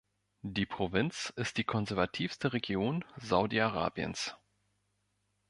Die Provinz ist die konservativste Region Saudi-Arabiens.